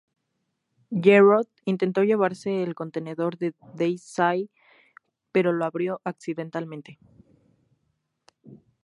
Jarrod intentó llevarse el contenedor de Dai Shi, pero lo abrió accidentalmente.